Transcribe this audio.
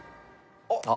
あっ。